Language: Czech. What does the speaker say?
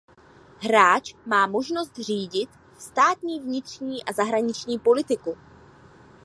Hráč má možnost řídit státní vnitřní a zahraniční politiku.